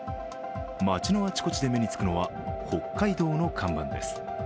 街のあちこちで目につくのは北海道の看板です。